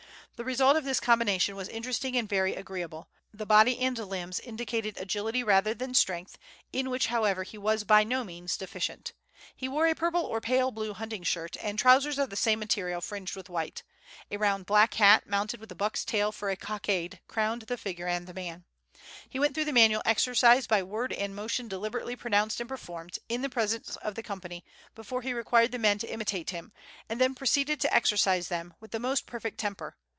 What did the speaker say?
The result of this combination was interesting and very agreeable. The body and limbs indicated agility rather than strength, in which, however, he was by no means deficient. He wore a purple or pale blue hunting shirt, and trousers of the same material fringed with white. A round black hat, mounted with the buck's tail for a cockade, crowned the figure and the man. He went through the manual exercise by word and motion deliberately pronounced and performed, in the presence of the company, before he required the men to imitate him, and then proceeded to exercise them, with the most perfect temper....